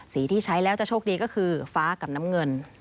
ที่ใช้แล้วจะโชคดีก็คือฟ้ากับน้ำเงิน